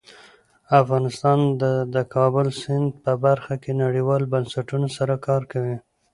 افغانستان د د کابل سیند په برخه کې نړیوالو بنسټونو سره کار کوي.